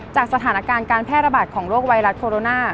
สถานการณ์การแพร่ระบาดของโรคไวรัสโคโรนา